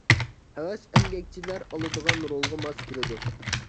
ھەۋەس ئەمگەكچىلەر ئالىدىغان رولغا ماس كېلىدۇ.